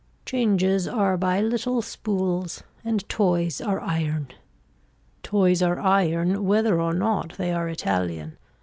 Changes are by little spools, and toys are iron. Toys are iron whether or not they are Italian.